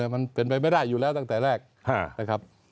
มันเป็นไปไม่ได้อยู่แล้วตั้งแต่แรกนะครับ